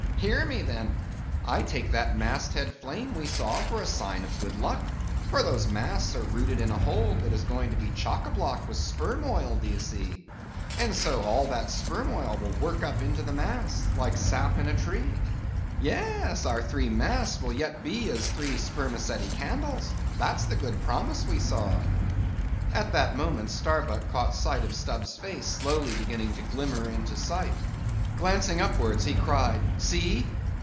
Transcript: Hear me, then: I take that mast head flame we saw for a sign of good luck; for those masts are rooted in a hold that is going to be chock a' block with sperm oil, d'ye see; and so, all that sperm will work up into the masts, like sap in a tree. Yes, our three masts will yet be as three spermaceti candles—that's the good promise we saw." At that moment Starbuck caught sight of Stubb's face slowly beginning to glimmer into sight. Glancing upwards, he cried: "See!